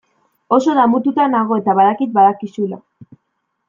Oso damututa nago eta badakit badakizula.